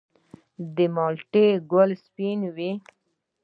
د مالټې ګل سپین وي؟